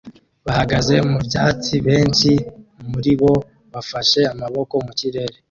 bahagaze mubyatsi benshi muribo bafashe amaboko mukirere